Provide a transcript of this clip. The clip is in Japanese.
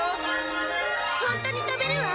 「ホントに飛べるわ」